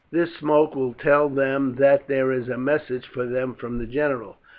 This smoke will tell them that there is a message for them from the general.